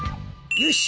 よし。